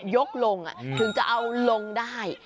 ยกลงถึงจะเอาลงได้